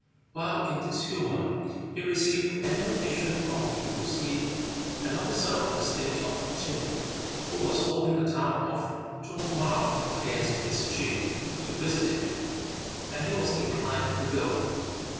While in this humor he received an invitation from Pih Hih, an officer of the state of Tsin who was holding the town of Chung mow against his chief, to visit him, and he was inclined to go.